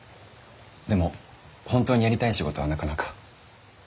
でも本当にやりたい仕事はなかなか。